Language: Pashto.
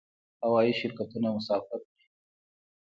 هوایی شرکتونه مسافر وړي